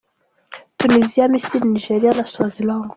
Tunisia, Misiri, Niger, Swaziland